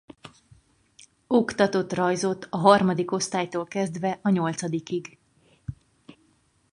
Oktatott rajzot a harmadik osztálytól kezdve a nyolcadikig.